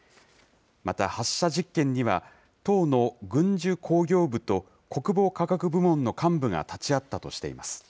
また発射実験には、党の軍需工業部と国防科学部門の幹部が立ち会ったとしています。